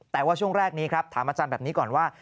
แต่ว่าช่วงแรกนี้ครับถามอาจารย์แบบนี้ก่อนว่า